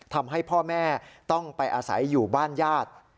ทำให้พ่อแม่ต้องไปอาศัยอยู่บ้านญาติ